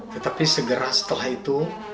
tetapi segera setelah itu